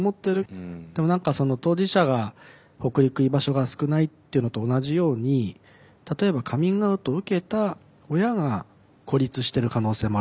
でも何か当事者が北陸居場所が少ないっていうのと同じように例えばカミングアウトを受けた親が孤立してる可能性もあるのかなと。